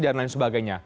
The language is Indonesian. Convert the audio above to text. dan lain sebagainya